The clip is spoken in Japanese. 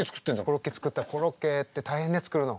コロッケ作ったらコロッケって大変ね作るの。